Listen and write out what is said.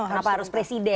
kenapa harus presiden